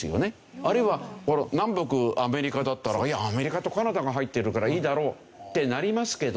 あるいは南北アメリカだったらいやアメリカとカナダが入ってるからいいだろうってなりますけど。